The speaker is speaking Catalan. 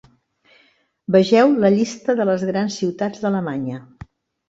Vegeu la Llista de les grans ciutats d'Alemanya.